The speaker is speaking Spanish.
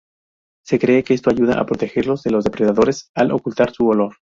Se cree que esto ayuda a protegerlos de los depredadores al ocultar su olor.